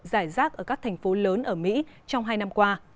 giải rác ở các thành phố lớn ở mỹ trong hai năm qua